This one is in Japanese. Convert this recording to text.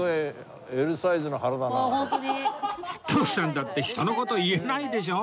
徳さんだって人の事言えないでしょ？